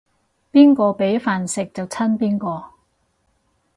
邊個畀飯食就親邊個